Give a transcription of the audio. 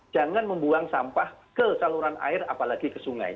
jangan membuang sampah ke saluran air apalagi ke sungai